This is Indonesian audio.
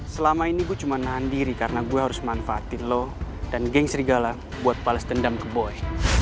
selama ini gue cuma nahan diri karena gue harus manfaatin lo dan geng serigala buat pales dendam ke boy